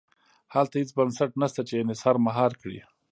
هلته هېڅ بنسټ نه شته چې انحصار مهار کړي.